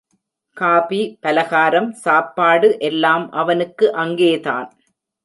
Coffee, பலகாரம், சாப்பாடு எல்லாம் அவனுக்கு அங்கேதான்.